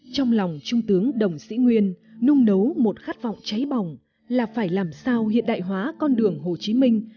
trong lòng trung tướng đồng sĩ nguyên nung nấu một khát vọng cháy bỏng là phải làm sao hiện đại hóa con đường hồ chí minh